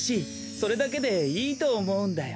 それだけでいいとおもうんだよ。